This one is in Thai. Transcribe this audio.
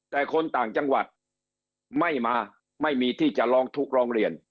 แต่คนต่างจังหวัดไม่มาไม่มีที่จะร้องทุกข์ร้องเรียน